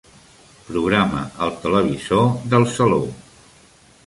Programa el televisor del saló.